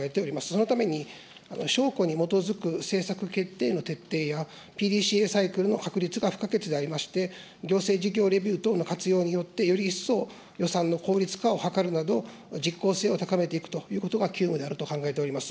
そのために、しょうこに基づく政策決定への徹底や、ＰＤＣＡサイクルの確立が不可欠でありまして、行政事業レビュー等の活用によってより一層予算の効率化を図るなど、実効性を高めていくということが急務であると考えております。